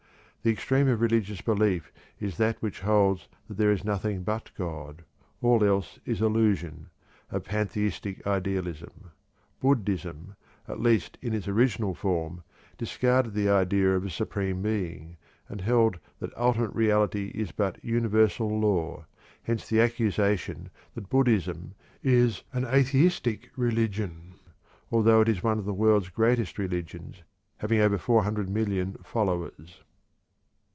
The extreme of religious belief is that which holds that "there is nothing but God all else is illusion," of pantheistic idealism. Buddhism (at least in its original form) discarded the idea of a Supreme Being, and held that Ultimate Reality is but Universal Law; hence the accusation that Buddhism is an "atheistic religion," although it is one of the world's greatest religions, having over 400,000,000 followers.